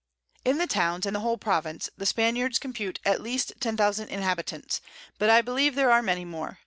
_] In the Towns and the whole Province the Spaniards compute at least 10000 Inhabitants; but I believe there are many more.